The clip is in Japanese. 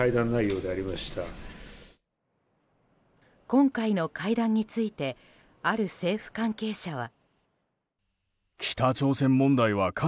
今回の会談についてある政府関係者は。